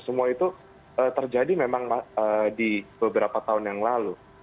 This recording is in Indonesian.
semua itu terjadi memang di beberapa tahun yang lalu